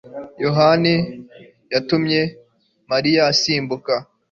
Yohana yatumye Mariya asimbuka